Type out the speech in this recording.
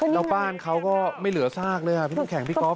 แล้วบ้านเขาก็ไม่เหลือสากเลยครับพี่มุ่งแข่งพี่ก๊อฟ